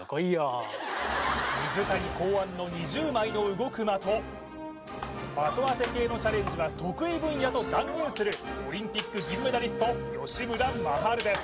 水谷考案の２０枚の動く的的当て系のチャレンジは得意分野と断言するオリンピック銀メダリスト吉村真晴です